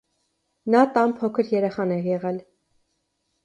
Նա տան փոքր երեխան է եղել։